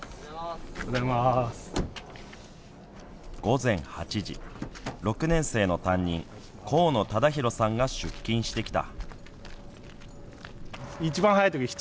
午前８時、６年生の担任光野央浩さんが出勤してきた。